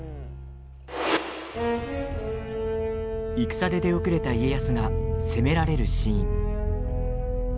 戦で出遅れた家康が責められるシーン。